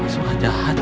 mas suha jahat